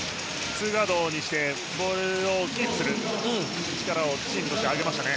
ツーガードにしてボールをキープする力をチームとして上げましたね。